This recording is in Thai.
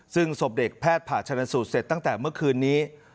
ซึ่งศพเด็กแพทย์ผ่าชนสูตรเสร็จตั้งแต่เมื่อคืนนี้